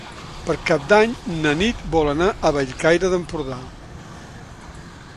Per Cap d'Any na Nit vol anar a Bellcaire d'Empordà.